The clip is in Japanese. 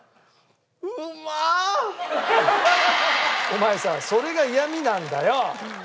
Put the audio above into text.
お前さそれが嫌みなんだよ！